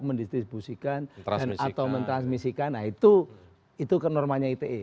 men distribusikan atau men transmisikan nah itu itu ke normanya ite